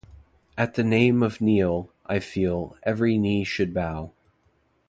At the name of Kneale, I feel, every knee should bow.